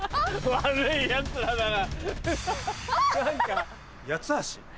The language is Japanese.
悪いヤツらだな。